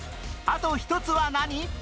あと１つは何？